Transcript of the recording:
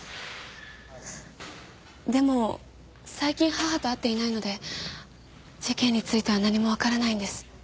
でも最近母と会っていないので事件については何もわからないんです。